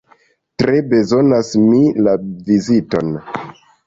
Tre bezonas mi la viziton!